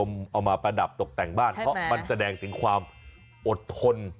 มันแสดงถึงความอดทน